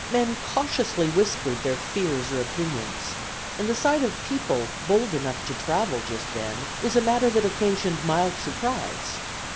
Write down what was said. Men cautiously whispered their fears or opinions, and the sight of people bold enough to travel just then was a matter that occasioned mild surprise.